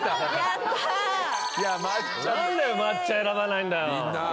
何で抹茶選ばないんだよ。